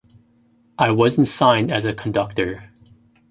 I wasn't signed as a conductor.